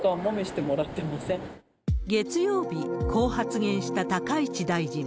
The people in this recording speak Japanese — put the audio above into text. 月曜日、こう発言した高市大臣。